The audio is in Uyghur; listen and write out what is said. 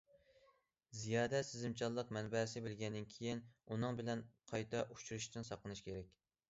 زىيادە سېزىمچانلىق مەنبەسىنى بىلگەندىن كېيىن، ئۇنىڭ بىلەن قايتا ئۇچرىشىشتىن ساقلىنىش كېرەك.